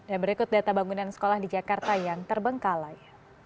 dan berikut data bangunan sekolah di jakarta yang terbengkalai